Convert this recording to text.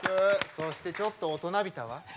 そしてちょっと大人びたわ。